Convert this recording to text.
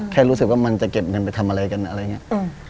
แค่รู้สึกว่ามันจะเก็บเงินไปทำอะไรกันอะไรอย่างนี้